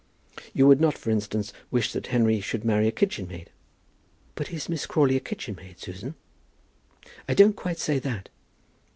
"You would not, for instance, wish that Henry should marry a kitchen maid." "But is Miss Crawley a kitchen maid, Susan?" "I don't quite say that."